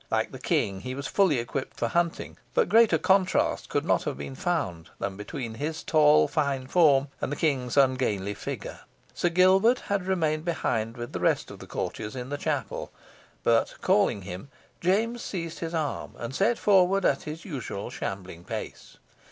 Like the King, he was fully equipped for hunting; but greater contrast could not have been found than between his tall fine form and the King's ungainly figure. Sir Gilbert had remained behind with the rest of the courtiers in the chapel; but, calling him, James seized his arm, and set forward at his usual shambling pace.